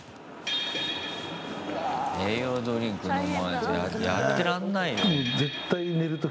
栄養ドリンク飲まないとやってらんないよ。